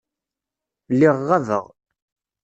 Lliɣ ɣabeɣ.